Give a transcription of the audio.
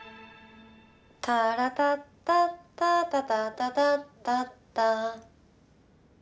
「タラタッタタータタタタッタッタ」